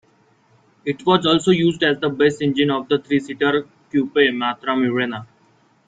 It was also used as the base engine for the three-seater coupé Matra Murena.